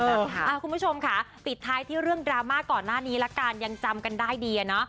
คุณผู้ชมค่ะปิดท้ายที่เรื่องดราม่าก่อนหน้านี้ละกันยังจำกันได้ดีอะเนาะ